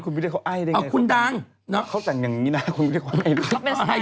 คุณวิทยาคอไอ้ได้ไงครับเข้าจันอย่างนี้นะคุณวิทยาคอไอ้มันสไตล์